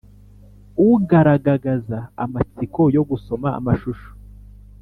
-ugaragagaza amatsiko yo gusoma amashusho,